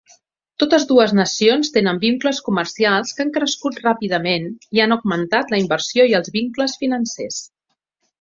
Totes dues nacions tenen vincles comercials que han crescut ràpidament i han augmentat la inversió i els vincles financers.